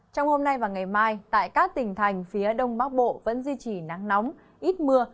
trong hôm nay và ngày mai tại các tỉnh thành phía đông bắc bộ vẫn duy trì nắng nóng ít mưa